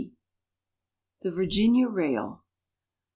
_ THE VIRGINIA RAIL.